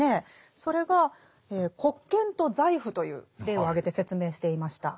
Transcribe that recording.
それが国権と財富という例を挙げて説明していました。